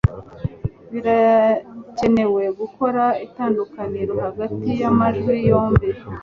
birakenewe gukora itandukaniro hagati y amajwi yombi